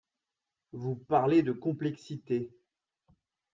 Vous parlez de complexité.